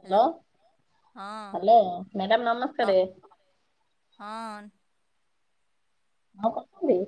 Hello hello ହଁ hello madam ହଁ ନମସ୍କାର। ହଁ। ହଁ କଣ କରୁଛନ୍ତି?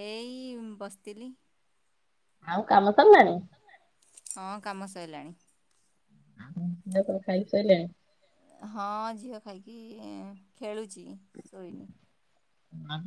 ଏଇ ବସିଥିଲି। ଆଉ କାମସରିଲାଣି। ହଁ କାମ ସଇଲାଣି। ଖାଇସାଇଲେଣି। ହଁ ଝିଅ ଖାଇକି ଖେଳୁଛି ଶୋଇନି।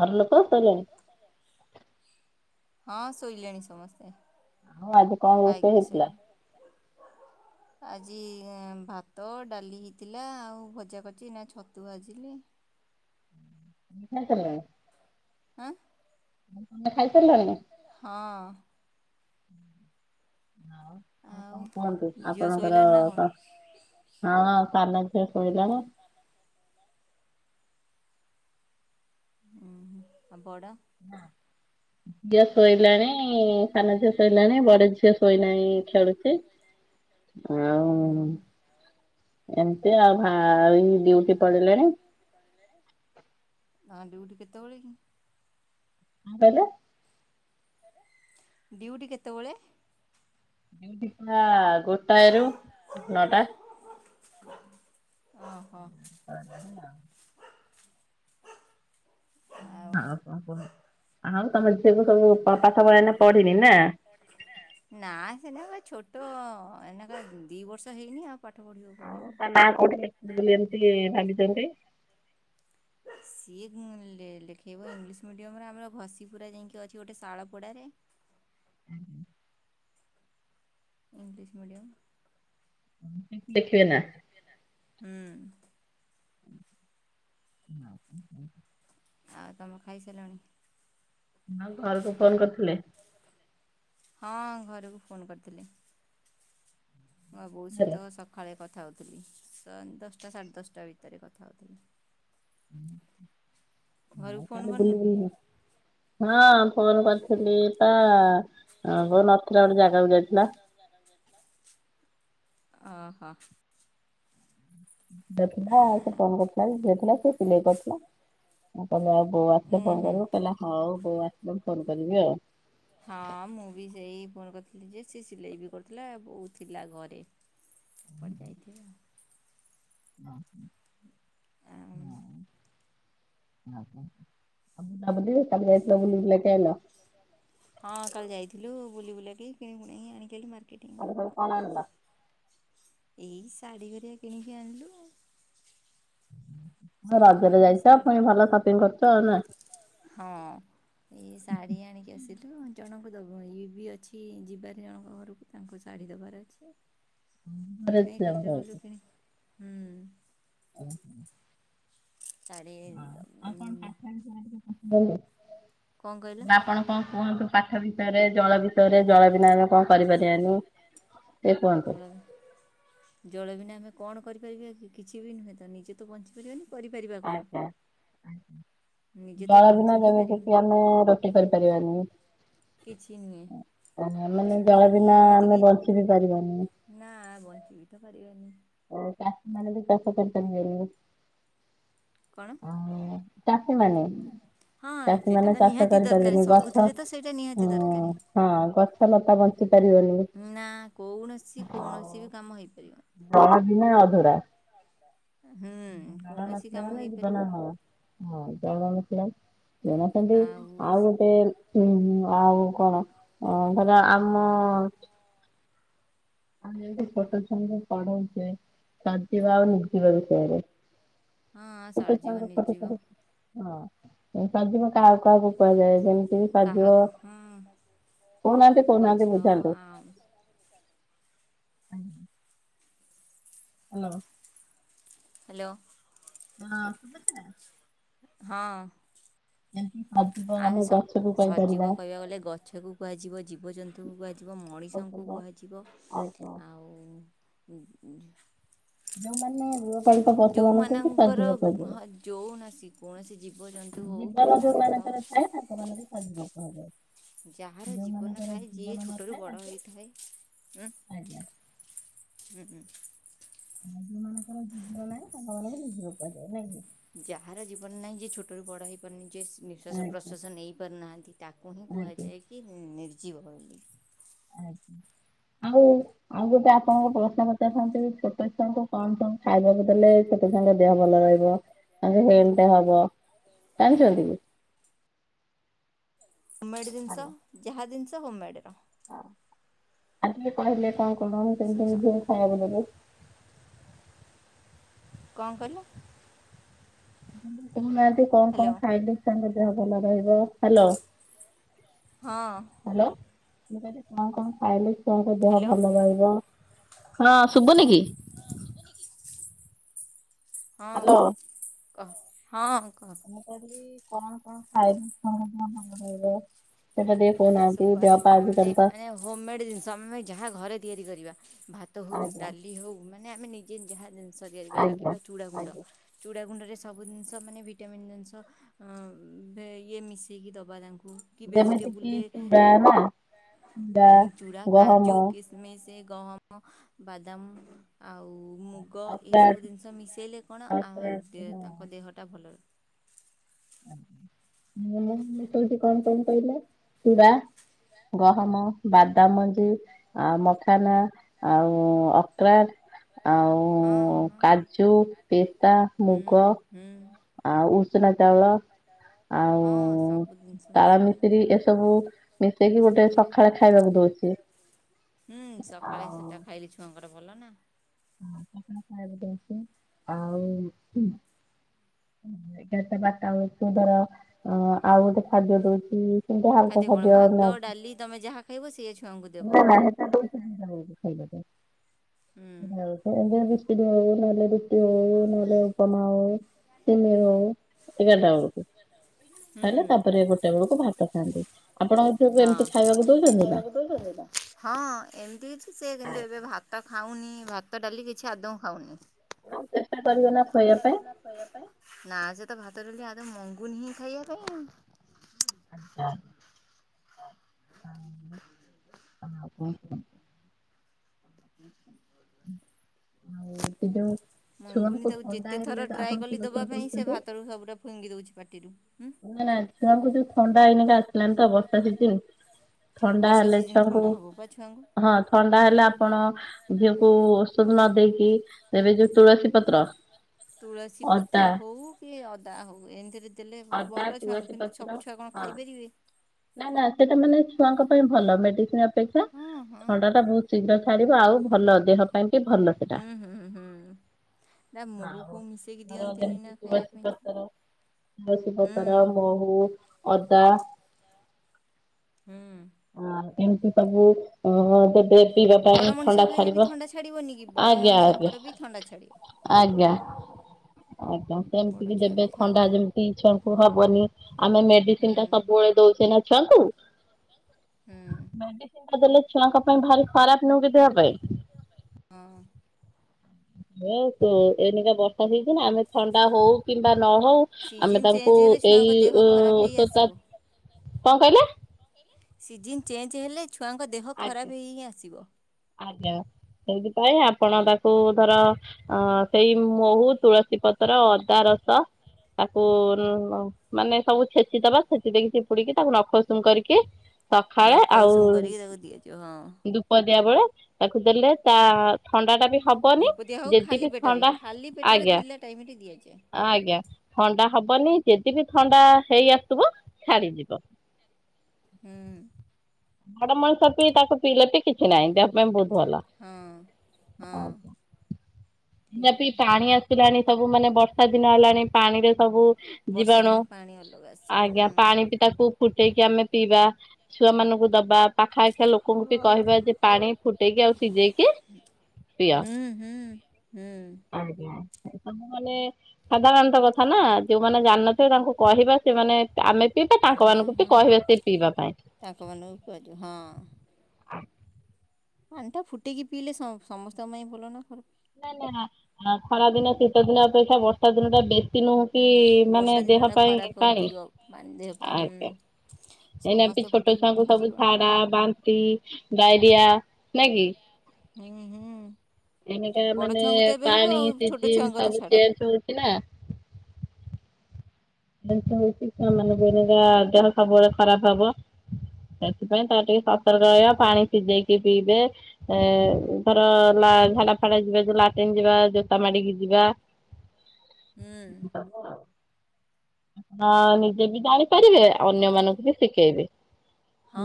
ଘରଲୋକ ଶୋଇଲେଣି। ହଁ ଶୋଇଲେଣି ସମସ୍ତେ ଆଉ ଆଜି କଣ ରୋଷେଇ ଖାଇକି ହେଇଥିଲା ଶୋଇଲେ। ଆଜି ଭାତ ଡାଲି ହେଇଥିଲା ଆଉ ଭଜା କରିଛି ଏନା ଛତୁ ଭାଜିଲି। ଖାଇସାରିଲଣି। ଆଁ। ତମେ ଖାଇସାରିଲଣି? ହଁ। ହଁ ଆଉ କଣ କୁହନ୍ତୁ ଝିଅ ଆପଣଙ୍କର ଶୋଇଲାଣି ନା କଣ ବା ହଁ ସାନ ଝିଅ ଶୋଇଲାଣି। ଉଁ ଆଉ ବଡ଼ ଝିଅ ଶୋଇଲାଣି। ନାଇଁ ସାନ ଝିଅ ଶୋଇଲାଣି ବଡ଼ ଝିଅ ଶୋଇନାହିଁ ଖେଳୁଛି। ଉଁ ହୁଁ ଆଉ ଏମିତି ଆଉ ଭାଇ ଡ୍ୟୁଟି ପଳେଇଲେଣି। ତାଙ୍କ ଡିଉଟି କେତେବେଳେ କି? କଣ କହିଲେ? ଡ୍ୟୁଟି କେତେବେଳେ? ଡିଉଟି ପରା ଗୋଟାଏରୁ ନଅଟା। ଅହ। [inaudible] ଆଉ ହ ଆଉ ତମ ଝିଅକୁ ସବୁ ପାଠ ପଢ଼ିନି ନା? ନା ସେନାକ ଛୋଟ ଏନାକ ଦି ବର୍ଷ ହେଇନି ଆଉ ପାଠ ପଢ଼ିବ ଆଉ ତା ନା କୋଉଠି ଲେଖିଛ ବୋଲି ଏମିତି ଭାବିଛ ଗୋଟେ ସିଏ ଲେଖାଇବ ଇଂଲିଶ ମିଡ଼ିୟମରେ ଆମର ଘଷିପୁରା ଯାଇକି ଅଛି ଗୋଟେ ଶାଳପଡ଼ାରେ। ହୁଁ ଇଂଲିଶ ମିଡ଼ିୟମ୍। ସେଇଠି ଲେଖିବେ ନା। ହୁଁ। ଆଉ ତମ ଖାଇସାରିଲଣି? ଆଉ ଘରକୁ ଫୋନ୍ କରିଥିଲେ? ହଁ ଘରକୁ ଫୋନ୍ କରିଥିଲି। ମୋ ବୋଉ ସହିତ ସକାଳେ କଥା ହଉଥିଲି ଦଶଟା ସାଢ଼େ ଦଶଟା ଭିତରେ କଥା ହେଉଥିଲି। ଉ ଘରକୁ ଆଉ ଫୋନ୍ ତାହଲେ କରିନୁ ବୁଲିବ କି? ଏଇନେ। ହଁ ଫୋନ୍ କରିଥିଲି ତ ହଁ ବୋଉ ନଥିଲା ଗୋଟେ ଜାଗାକୁ ଯାଇଥିଲା। ଗୋଟେ ଜାଗାକୁ ଯାଇଥିଲା। ଓ ହୋ। ଝିଅ ଥିଲା ଆଉ ସେ ଫୋନ୍ କରୁଥିଲା ଯେ ଝିଅ ଥିଲା ସେ ସିଲେଇ କରୁଥିଲା। ମୁଁ କହିଲି ଆଉ ବୋଉ ଉଁ ଆସିଲେ ଫୋନ୍ ହୁଁ। କରିବୁ କହିଲେ ହଉ ବୋଉ ଆସିଲେ ଫୋନ୍ କରିବି ଆଉ। ହଁ ମୁଁ ବି ସେଇ ଫୋନ କରିଥିଲି ଯେ ସେ ସିଲେଇ ବି କରୁଥିଲା ବୋଉ ଥିଲା ଘରେ। କୁଆଡେ ଯାଇଥିବେ ଆଉ? ହ ହଁ ଆଉ ମୁଁ କହିଲି କାଲି ଯାଇଥିଲ ବୁଲିବୁଲାକି ଆଇଲ। ହଁ କାଲି ଯାଇଥିଲୁ ବୁଲି ବୁଲାକି କିଣିକିଣାକି ଆଣିକି ଆଇଲୁ ନା କାଲି କିଣିଲୁ ସବୁ ଆଉ କଣ ଆଣିଲ? ଏଇ ଶାଢ଼ୀ ଗୁଡ଼ାକ କିଣିକି ଆଣିଲୁ ଆଉ। ସମସ୍ତଙ୍କ ରଜରେ ପାଇଁ ଯାଇଛ ଶାଢ଼ୀ ପୁଣି ଭଲ ସପିଙ୍ଗ କରୁଛ ଆଉ ନୁହଁ। ହଁ। ଏଇ ଶାଢ଼ୀ ଆଣିକି ଆସିଲୁ ଜଣଙ୍କୁ ଦବ ଇଏ ବି ଅଛି ଯିବାରେ ଜଣଙ୍କ ଘରକୁ। ତାଙ୍କୁ ଶାଢ଼ୀ ଦବାର ଅଛି। ସେଥିପାଇଁ ଏକାଥରେ ଗଲୁ [inaudible] କିଣି ହୁଁ। ଓହୋ। ସାଢି ଦ ମୁଁ ହଉ କଣ କହିଲ ଆପଣ କଣ କୁହନ୍ତୁ? ପାଠ ବିଷୟରେ ଜଳ ବିଷୟରେ ଜଳ ବିନା ଆମେ କଣ କରିପାରିବାନି ଟିକେ କୁହନ୍ତୁ? ଜଳ ଜଳ ବିନା ଆମେ କଣ କରିପାରିବା କି କିଛି ବି ନୁହେଁ ତ ନିଜେ ତ ବଞ୍ଚିପାରିବାନି। କରିପାରିବା କଣ ଆଜ୍ଞା ନିଜେ ତ ଜଳ ବଞ୍ଚି ବିନା ହିଁ ଯେମିତି ପାରିବୁନି କି ଆମେ ରୋଷେ କିଛି କରିପାରିବାନି। କିଛି ନୁହେଁ। ମାନେ କିଛି ବି ଜଳ ନାହିଁ ବିନା ଏମିତି ଆମେ କି ବଞ୍ଚିବିି ପାରିବାନି। ନା ବଞ୍ଚିବି ତ ପାରିବାନି। ଓ କାଶମାରେ ବି କସ କରିପାରିବେନି। କଣ? ଓ ଚାଷୀ ମାନେ। ହଁ ଚାଷୀ ସେଇଟା ମାନେ ତ ଚାଷ ନିହାତି ଦରକାର କରିପାରିବେନି ଗଛ ସବୁଥିରେ ତ ସେଇଟା ନିହାତି ହଁ। ଦରକାର ହଁ ଗଛ ଲତା ବଞ୍ଚି ସେ କରିବନି। ନା କୌଣସି କୌଣସି ବି କାମ ହେଇପାରିବନି। ଜଳ ବିନା ଅଧୁରା। ହୁଁ ଜଳ କୌଣସି ନଥିଲେ କାମ ମାନେ ଜୀବନ ହେଇପାରିବନି ହଁ। ହଁ ଜଳ ନଥିଲା ମାନେ ଜୀବନ କିନ୍ତୁ ଆଉ ଗୋଟେ ହୁଁ ହୁଁ ଆଉ କଣ ଧର ଆମ ଆମେ ଯେମିତି ଛୋଟ ଛୁଆଙ୍କୁ ପଢଉଛେ ସଜୀବ ଆଉ ନି। ନିର୍ଜୀବ ବିଷୟରେ ହଁ ଛୋଟ ସରିଯିବ ଛୁଆଙ୍କ ଫଟ ନିର୍ଜୀବ ଫଟ ହଁ ସଜୀବ କାହାକୁ କାହାକୁ କୁହାଯାଏ ଯେମିତି କି ସଜୀବ କାହାକୁ ହଁ କହୁନାହାନ୍ତି ଗଛ କହୁନାହାନ୍ତି ବୁଝାନ୍ତୁ। ଆଜ୍ଞା। ହ୍ୟାଲୋ। ହ୍ୟାଲୋ। ହଁ। ହଁ। [unintelligible] ହଁ ଆମେ ସ ଆମକୁ ସଜୀବ କହିବାକୁ ଗଲେ ଗଛକୁ କୁହାଯିବ ଜୀବଜନ୍ତୁକୁ କୁହାଯିବ ମଣିଷଙ୍କୁ କୁହାଯିବ। ଆଉ ଯଉ ମାନେ ଯୋଉମାନଙ୍କର ହଁ ଯଉନାସି କୌଣସି ଜୀବଜନ୍ତୁ ହଉ କି ଯୋଉ ମଣିଷ ହଉ ମାନଙ୍କର ଥାଏ ତାଙ୍କ ମାନଙ୍କୁ ସଜିବ କୁହାଯାଏ। ଯାହାର ଜୀବନ ଯୋଉମାନଙ୍କର ଥାଏ ଯିଏ ଜୀବନ ଛୋଟରୁ ନଥାଏ ବଡ଼ ତାଙ୍କୁ ହୋଇଥାଏ। ଆଜ୍ଞା ହୁଁ ଉ। ଆ ଯୋଉ ମାନଙ୍କର ଜୀବନ ନାହିଁ ସେମାନଙ୍କୁ ନିର୍ଜୀବ ନାଇଁ କି। ଯାହାର ଜୀବନ ନାହିଁ ଯେ ଛୋଟରୁ ବଡ଼ ହେଇ ପାରୁନି ବିଶ୍ୱାସ ଆଜ୍ଞା ପ୍ରଶ୍ୱାସ ନେଇପାରୁନାହାଁନ୍ତି ତାକୁ ହିଁ ଆଜ୍ଞା କୁହାଯାଏ କି ନିର୍ଜୀବ ବୋଲି। ଆଜ୍ଞା ଆଉ ଆଉ ଗୋଟେ ଆପଣଙ୍କୁ ପ୍ରଶ୍ନ ପଚାରିଥାନ୍ତି ଛୋଟ ଛୁଆଙ୍କୁ କଣ କଣ ଖାଇବାକୁ ଦେଲେ ତାଙ୍କ ଦେହ ଭଲ ରହିବ ତାଙ୍କ ହେଲଟ ହବ ଜାଣିଛନ୍ତି କି? ହମେଡ଼୍ ଜିନିଷ ହାଲୋ ଯାହା ଜିନିଷ ହୋମେଡ଼ର। ଆଉ ଟିକେ କହିଲେ କଣ କଲ ସେମିତି ଝିଅକୁ ଖାଇବାକୁ ଦେଲେ କଣ କହିଲ? କହୁନାହନ୍ତୁ କଣ କଣ ହ୍ୟାଲୋ ଖାଇଲି ତାଙ୍କ ଦେହ ଭଲ ରହିବ ହ୍ୟାଲୋ। ହଁ। ହ୍ୟାଲୋ ମୁ କହିଲି କଣ କଣ ଖାଇଲେ ଛୁଆଙ୍କ ଦେହ ହ୍ୟାଲୋ ଭଲ ରହିବ। ହଁ ଶୁବୁନି କି? ହଁ ହ୍ୟାଲୋ କ ହଁ କହ। ମୁଁ କଣ କଣ ଖାଇବ ଭଲ ରହିବ ସେଇଟା ଦେ ସବୁ କହୁନାହାନ୍ତି ଦେ କହିବା ପା ଆଜି ମାନେ କାଲି ତ। ମାନେ ହୋମମେଡ଼୍ ଜିନିଷ ଆମେ ଯାହା ଘରେ ତିଆରି କରିବା ଭାତ ହଉ, ଆଜ୍ଞା ଡାଲି ହଉ। ମାନେ ଆମେ ନିଜେ ଯାହା ଜିନିଷ ତିଆରି କରିବା ଆଜ୍ଞା। କିମ୍ବା ଚୁଡ଼ାଗୁଣ୍ଡ। ଆଜ୍ଞା ଚୁଡ଼ାଗୁଣ୍ଡରେ ସବୁ ଜିନିଷ ମାନେ ଭିଟାମିନ୍ ଜିନିଷ ଅ ଇଏ ମିଶେଇକି ଦବା ତାଙ୍କୁ କି ଭେଜିଟେବୁଲ ରେ ବା ନା ବା ଗହମ। ମିସ୍ ଗହମ ବାଦାମ ଆଉ ମୁଗ ଅଖରୋଟ ଏସବୁ ଜିନିଷ ମିଶାଇଲେ କଣ ଅଖରୋଟ ତାଙ୍କ ଦେହଟା ଭଲ ମୁଁ ମିଶଉଛି କଣ କଣ କହିଲେ ଚୁଡା [inaudible] ଗହମ, ବାଦାମଞ୍ଜି ଆଉ ମଖାନା ଆଉ ଅକ୍ରାର। ଆଉ ହଁ ହଁ କାଜୁ, ପିସ୍ତା, ହୁଁ ମୁଗ ହୁଁ। ଆଉ ଉଷୁନା ଚାଉଳ ଆଉ ହଁ ସବୁଦିନ। ତାଳ ମିଶ୍ରୀ ଏସବୁ ମିଶେଇକି ଗୋଟେ ସକାଳେ ଖାଇବାକୁ ଦଉଛି। ହୁଁ ସକାଳେ ଆଉ ସେଟା ଖାଇଲେ ଛୁଆଙ୍କର ଭଲ ନା। ହଁ [unintelligible] ଅଛି ଆଉ। ଏଗାର ଟା ବାରଟା ବେଳକୁ ଧର ଅ ଆଉ ଗୋଟେ ଖାଦ୍ୟ ଦଉଛି ସେମତି ହାଲକା କଣ ଖାଦ୍ୟ ଭାତ ଅଛି। ଡାଲି ତମେ ଯାହା ଖାଇବ ସେୟା ଛୁଆଙ୍କୁ ଦେବ। ନା ନା ହେଟା ହଉଚି [unintelligible] ହୁଁ। [unintelligible] ଉପମା ହଉ, ସିମେଇ ହଉ, ଏଗାରଟା ବେଳକୁ ହୁଁ ଖାଇଲେ ତା ପରେ ଗୋଟେ ବେଳକୁ ଭାତ ଖାଆନ୍ତି ଆପଣଙ୍କ ପୁଅକୁ ହଁ। ଏମିତି ଖାଇବାକୁ ଦଉଛନ୍ତି? ନା? ଖାଇବାକୁ ଦଉଛନ୍ତି ତ। ହଁ ଏମିତି କିଛି ସେ କିନ୍ତୁ ଏବେ ଭାତ ଖାଉନି ଭାତ ଡାଲି କିଛି ଆଦୌ ଖାଉନି। [inaudible] ନା ଖୁଆଇବା ପାଇଁ ନା ସେ ତ ଭାତ ଡାଲି ଆଦୌ ମଙ୍ଗୁନି ହିଁ ଖାଇବା ପାଇଁ ଆଉ। ଆଛା। କଣ କୁହନ୍ତୁ? ଆଉ। ସେ ଯୋଉ ମଙ୍ଗୁନି ଛୁଆଙ୍କୁ ତାକୁ ଥଣ୍ଡା ଯେତେ ଥର ହେଲେ ତ ଟ୍ରାଏ ଆପଣ କି କଲି ଦବା ଔଷଧ ପାଇଁ ସେ ଦଉଛନ୍ତି? ଭାତରୁୁ ସବୁୁରା ଫିଙ୍ଗି ଦଉଛି ପାଟିରୁ ହୁଁ। ନା-ନା ଛୁଆଙ୍କୁ ଯୋଉ ଥଣ୍ଡା ଏଇନେକେ ଆସିଲାଣି ତ ବର୍ଷା ସିଜିନ୍। ଥଣ୍ଡା ବର୍ଷା ହେଲେ ସିଜିନ୍ ଛୁଆଙ୍କୁୁ ଥଣ୍ଡା ହେବ ପା ଛୁଆଙ୍କୁ। ହଁ ଥଣ୍ଡା ହେଲେ ଆପଣ। ଝିଅକୁ ଔଷଦ ନ ଦେଇକି ଦେବେ ଯୋଉ ତୁଳସୀ ପତ୍ର। ତୁଳସୀ ଅଦା ପତ୍ର ହଉ କି ଅଦା ହଉ ଏମିତିରେ ଦେଲେ ଅଦା ଭଲ ଛୁଆଙ୍କୁ କିନ୍ତୁ ସବୁ ଛୁଆ କଣ ଖାଇପାରିବେ। ନା-ନା ସେଇଟା ମାନେ ଛୁଆଙ୍କ ପାଇଁ ଭଲ ମେଡିସିନ ଅପେକ୍ଷା ହଁ ହଁ। ଥଣ୍ଡା ଟା ବହୁତ୍ ଶୀଘ୍ର ଛାଡିବ ଆଉ ଭଲ ଦେହ ପାଇଁ ବି ଭଲ ସେଟା ହୁଁ-ହୁଁ -ହୁଁ। ନା ମହୁ ଆଉ ଫହୁ ମିଶେଇକି ଧର ଦିଅନ୍ତିନି ଯେମିତି ନା ଖାଇବା ତୁଳସୀ ପାଇଁ ଛୁଆ ପତ୍ର ତୁଳସୀ ହୁଁ ପତର, ମହୁ, ଅଦା। ହୁଁ। ଆ ଏମିତି ସବୁ ଅ ଦେ ବେ ପିଇବା ବଡ଼ ପାଇଁ ମଣିଷ ଥଣ୍ଡା ଖାଇଲେ ବି ଛାଡିବ ଥଣ୍ଡା ଛାଡ଼ିବନି କି ବଡ଼ ଆଜ୍ଞା ମଣିଷଙ୍କର ଆଜ୍ଞା। ବି ଥଣ୍ଡା ଛାଡ଼ିବ। ଆଜ୍ଞା। ଆଜ୍ଞା ସେମିତି ବଡ଼ କି ଛୁଆ ଦେବେ ବି ଥଣ୍ଡା ଖାଆନ୍ତି ଯେମିତି ଛୁଆଙ୍କୁ ହବନି ଆମେ ମେଡି ହୁଁ ସିନ୍ ଟା ସବୁବେଳେ ଦଉଛେ ନା ଛୁଆଙ୍କୁ। ହୁଁ। ମେଡ଼ିସିନ୍ ଟା ଦେଲେ ଛୁଆଙ୍କ ପାଇଁ ଭାରି ଖରାପ ନୁହଁ କି ଦେହ ପାଇଁ। ହଁ। ଏଇନେ କା ବର୍ଷା ସିଜିନ ଆମେ ଥଣ୍ଡା ହଉ କିମ୍ବା ନ ହଉ ଆମେ ସିଜନ୍ ତାଙ୍କୁ ଚେଞ୍ଜ ହେଲେ ଏଇ ଛୁଆଙ୍କ ଦେହ ଖରାପ ଓଷଦଟା କଣ କହିଲେ? ସିଜନ ଚେଞ୍ଜ ହେଲେ ଛୁଆଙ୍କ ଦେହ ଆଜ୍ଞା। ଖରାପ ହେଇ-ହେଇ ହିଁ ଆସିବ। ଆଜ୍ଞା ସେଇଥିପାଇଁ ଆପଣ ତାକୁ ଧର ଅ ସେଇ ମହୁ ତୁଳସୀ ପତ୍ର, ଅଦା ରସ ତାକୁ ମାନେ ସବୁ ଛେଚିଦବା ଛେଚି ଦେଇକି ଚିପୁଡିକି ତାକୁ ନଖ ଉଷୁମ କରିକି ସଖାଳେ ନଖ ଆଉ। ଉଷୁମ କରିକି [inaudible] ଧୂପ ଦିଆ ବେଳେ ତାକୁ ଦେଲେ ତା ଥଣ୍ଡା ଟା ବି ହବନି ଧୂପ ଦିଆ ହଉ ଖାଲି ଯେତିକି ପେଟରେ ଥଣ୍ଡା ଖାଲି ପେଟରେ ଆଜ୍ଞା। ଥିଲା ଟାଇମରେ ଦିଆଯାଏ। ଆଜ୍ଞା ଥଣ୍ଡା ହବନି ଯେତିକି ଥଣ୍ଡା ହେଇ ଆସୁଥିବ ଛାଡିଯିବ। ହୁଁ। ବଡ ମଣିଷ ବି ତାକୁ ପିଇଲେ ବି କିଛି ନାହିଁ ଦେହ ପାଇଁ ବହୁତ୍ ଭଲ। ହଁ ହଁ ଠିକ୍ ପି ହେଲା। ପାଣି ଆସିଲାଣି ସବୁ ମାନେ ବର୍ଷା ଦିନ ହେଲାଣି। ପାଣିରେ ସବୁ ବର୍ଷା ଜୀବାଣୁ ଦିନ ପାଣି ଅଲଗା ଆସିବ ଆଜ୍ଞା ହୁଁ। ପାଣି ତାକୁ ଫୁଟେଇକି ଆମେ ପିଇବା ଛୁଆ ମାନଙ୍କୁ ଦବା ପାଖା ଆଖ ଲୋକ [unintelligible] କହିବା ଯେ ପାଣି ଫୁଟେଇକି ଆଉ ସିଝେଇକି ପିଅ। ହୁଁ ହୁଁ ହୁଁ। ଆଜ୍ଞା। ଆ ମାନେ ସାଧାରଣତ କଥା ନା ଯୋଉମାନେ ଜାଣିନଥିବେ ତାଙ୍କୁ କହିବା ସେମାନେ ଆମେ ପିଇବା ତାଙ୍କ ମାନଙ୍କୁ ବି କହିବା ସେ ପିଇବା ପାଇଁ। ତାଙ୍କ ମାନଙ୍କୁ କୁହାଯିବ ହଁ। ପାଣି ଟା ଫୁଟେଇକି ପିଇଲେ ସ ସମସ୍ତଙ୍କ ପାଇଁ ଭଲ ନା ଖରାପ। ନାଇ ନାଇ ନା ଖରା ଦିନ ଶୀତ ଦିନ ଅପେକ୍ଷା ବର୍ଷା ଦିନ ଟା ବେଶୀ ନୁହଁ କି ମାନେ ବର୍ଷା ଦେହ ଦିନଟା ପାଇଁ ଖରାପ ପାଣି ଅଧିକ ପାଣି ଦେହ ପାଇଁ ହୁଁ। ଏନା ବି ସମସ୍ତେ ଛୋଟ ଫୁଟେଇକି ଛୁଆଙ୍କୁ ପିଇଲେ ସବୁ ଜୀବନ ଝାଡା ବାନ୍ତି ଡାଇରିଆ ନାଇଁ ହୁଁ ହୁଁ। ଏଇନା କେ ବଡ଼ ମାନେ ଛୁଆଙ୍କୁ ତ ଏବେ ହେବ ପାଣି ଆଉ ଛୋଟ ଛୁଆଙ୍କ ସିଜନ କଥା ସବୁ ଛାଡ଼ ଚେଞ୍ଜ ହଉଛି ନା। ଚେଞ୍ଜ ହଉଛି ଛୁଆମାନଙ୍କର ଦେହ ସବୁବେଳେ ଖରାପ ହବ। ସେଥିପାଇଁ ତାପର ଟିକେ ସତର୍କ ରହିବ ପାଣି ସିଝେଇକି ପିଇବେ। ଏ ଧର ଲା ଝାଡା ଫାଡା ଯିବା ଯ ଲାଟିନ ଯିବା ଜୋତା ମାଡିକି ଯିବା। [inaudible] ହୁଁ। ସବୁ ଆଉ ହଁ ନିଜେ ବି ଜାଣିପାରିବେ ଅନ୍ୟ ମାନଙ୍କୁ ବି ଶିଖେଇବେ।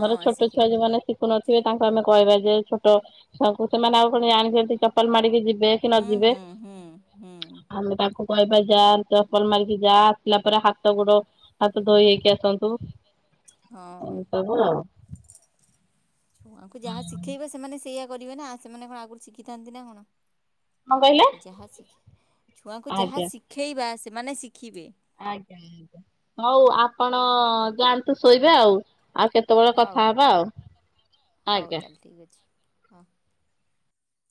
ଧର ଛୋଟ ଶିଖେଇ ଛୁଆ ପାରିବ। ଯୋଉମାନେ ଶିଖୁନଥିବେ ତାଙ୍କୁ ଆମେ କହିବା ଯେ ଛୋଟ ଛୁଆ ଙ୍କୁ ସେମାନେ ଆଉ କଣ ଜାଣିଛନ୍ତି ଚପଲ ମାଡିକି ଯିବେ କି ହୁଁ ନ ଯିବେ। ହୁଁ ହୁଁ। ହୁଁ। କୋଇବା ଯା ଚପଲ ମାଡ଼ିକି ଯା। ଆସିଲା ପରେ ହାତ ଗୋଡ ହାତ ଧୋଇ ହେଇକି ଆସନ୍ତୁ ହଁ। ଏମିତି ସବୁ ହଁ। ଛୁଆଙ୍କୁ ଯାହା ଶିଖେଇବା ସେମାନେ ସେଇଆ କରିବେ ନା ସେମାନେ କଣ ଆଗରୁ ଶିଖିଥାନ୍ତି ନା କଣ। କଣ କହିଲେ ଯାହା ଶିଖି ଛୁଆଙ୍କୁ ଯାହା ଆଜ୍ଞା। ଶିଖେଇବା ସେମାନେ ଶିଖିବେ। ଆଜ୍ଞା ହଉ ଆପଣ ଜାଆନ୍ତୁ ଶୋଇବେ ଆଉ। ଆଉ କେତେବେଳେ ହଉ କଥା ହବା ଆଉ ଆଜ୍ଞା। ଠିକ୍ ଅଛି। ହଁ।